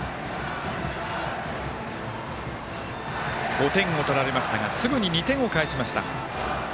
５点を取られましたがすぐに２点を返しました。